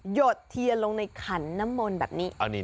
ดเทียนลงในขันน้ำมนต์แบบนี้